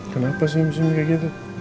kenapa sih emis emis kayak gitu